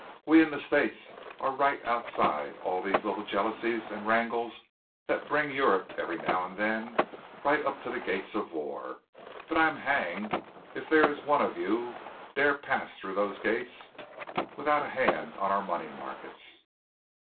We in the States are right outside all these little jealousies and wrangles that bring Europe, every now and then, right up to the gates of war, but I'm hanged if there is one of you dare pass through those gates without a hand on our money markets.